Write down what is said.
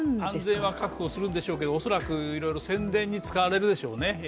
安全は確保するんでしょうけど、恐らくいろいろ宣伝に使われるでしょうね。